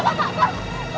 masa banyak dia